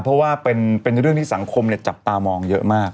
เพราะว่าเป็นเรื่องที่สังคมจับตามองเยอะมาก